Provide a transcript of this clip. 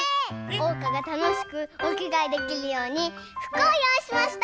おうかがたのしくおきがえできるようにふくをよういしました！